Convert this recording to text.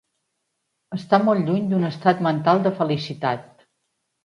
Està molt lluny d'un estat mental de felicitat.